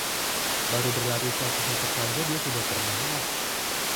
baru berlari seratus meter saja dia sudah terengah-engah